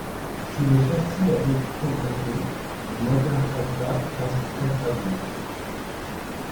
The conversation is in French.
Si le châssis a beaucoup progressé, le moteur Alfa reste très fragile.